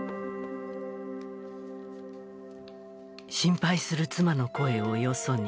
心配する妻の声をよそに。